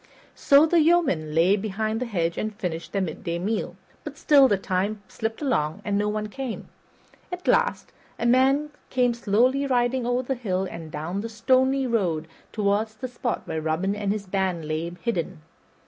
So the yeomen lay behind the hedge and finished their midday meal; but still the time slipped along and no one came. At last, a man came slowly riding over the hill and down the stony road toward the spot where Robin and his band lay hidden.